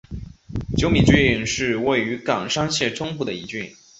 久米郡是位于冈山县中部的一郡。